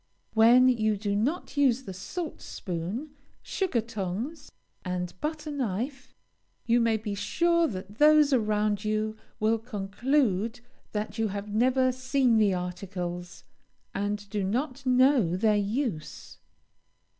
When you do not use the salt spoon, sugar tongs, and butter knife, you may be sure that those around you will conclude that you have never seen the articles, and do not know their use.